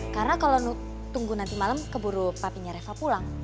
karena kalau nunggu nanti malam keburu papinya reva pulang